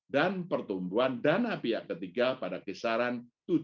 dan pertumbuhan dana pihak ketiga pada kisaran tujuh sembilan